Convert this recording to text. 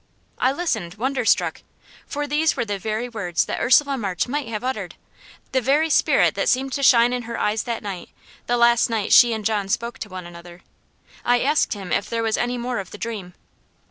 I listened, wonder struck for these were the very words that Ursula March might have uttered; the very spirit that seemed to shine in her eyes that night the last night she and John spoke to one another. I asked him if there was any more of the dream?